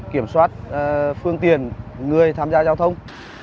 kiểm soát phương tiền người tham gia giao thông